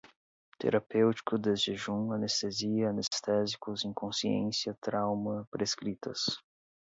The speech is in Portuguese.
terapêutico, desjejum, anestesia, anestésicos, inconsciência, trauma, prescritas